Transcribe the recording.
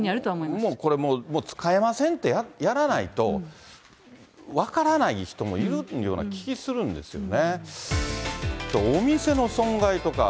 もうこれ、使えませんってやらないと、分からない人もいるような気ぃするんですよね。